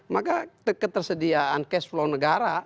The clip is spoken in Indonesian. maka ketersediaan cash flow negara